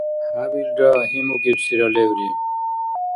Хӏябилра гьимукӏибсира леври?